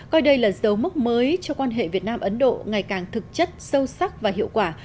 coi đây là dấu mốc mới cho quan hệ việt nam ấn độ ngày càng thực chất sâu sắc và hiệu quả